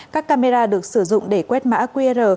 các camera được sử dụng để quét mã qr